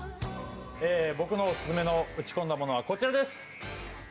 僕のオススメの打ち込んだものはこちらです。